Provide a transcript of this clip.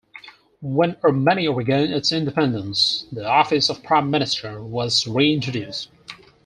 When Armenia regained its independence, the office of Prime Minister was reintroduced.